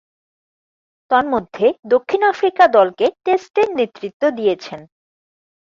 তন্মধ্যে, দক্ষিণ আফ্রিকা দলকে টেস্টে নেতৃত্ব দিয়েছেন।